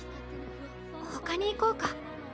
ほかに行こうか。